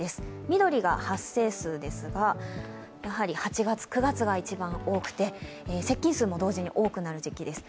緑が発生数ですがやはり８月、９月が一番多くて接近数も同時に多くなる時期です。